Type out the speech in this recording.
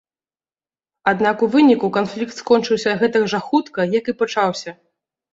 Аднак у выніку канфлікт скончыўся гэтак жа хутка, як і пачаўся.